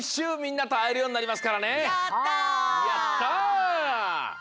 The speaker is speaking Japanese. うみんなとあえるようになりますからね。